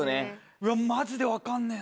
うわマジで分かんねえわ。